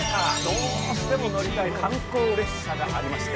どうしても乗りたい観光列車がありまして。